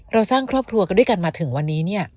สร้างครอบครัวกันด้วยกันมาถึงวันนี้เนี่ย